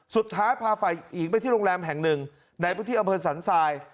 สุดท้ายพาฝ่ายหญิงไปที่โรงแรมแห่งหนึ่งในพื้นที่อำเภอสันทราย